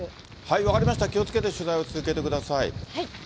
分かりました、気をつけて取材を続けてください。